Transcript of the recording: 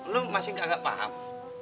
lu masih enggak paham